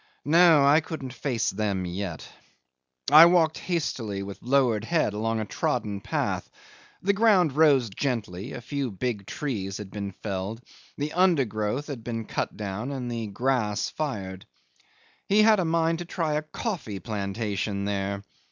No; I couldn't face them yet. I walked hastily with lowered head along a trodden path. The ground rose gently, the few big trees had been felled, the undergrowth had been cut down and the grass fired. He had a mind to try a coffee plantation there.